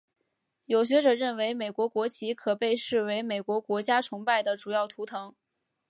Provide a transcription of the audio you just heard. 有学者认为美国国旗可被视为美国国家崇拜的主要图腾。